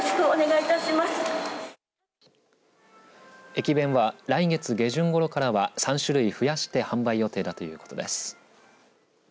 駅弁は来月下旬ごろからは３種類増やして販売予定だということです。